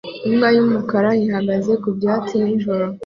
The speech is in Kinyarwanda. Imbwa y'umukara ihagaze ku byatsi nijoro